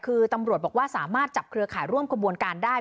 คือตำรวจบอกว่าสามารถจับเครือข่ายร่วมกระบวนการได้